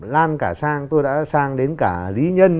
lan cả sang tôi đã sang đến cả lý nhân